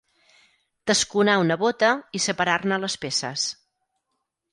Tasconar una bota i separar-ne les peces.